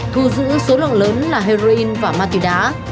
thu giữ số lượng lớn là heroin và ma túy đá